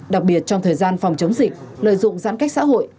đặc biệt trong thời gian phòng chống dịch lợi dụng giãn cách xã hội